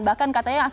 bahkan katanya sampai